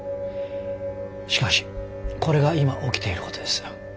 しかしこれが今起きていることです。